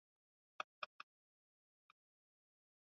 sababu za kuandaa boti za uokoaji zilifichwa